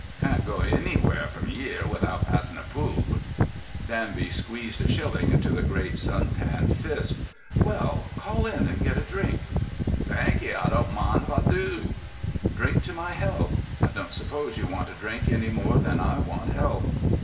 "Can't go anywhere from 'ere without passin' a poob." Danby squeezed a shilling into the great sun tanned fist. "Well, call in and get a drink." "Thankee, Ah doan't mind if Ah do." "Drink to my health. I don't suppose you want a drink more than I want health."